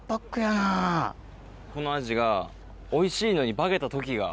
このアジがおいしいのに化けた時が。